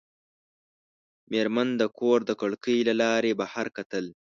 مېرمن د کور د کړکۍ له لارې بهر کتل.